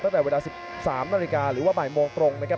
ตั้งแต่เวลา๑๓นาฬิกาหรือว่าบ่ายโมงตรงนะครับ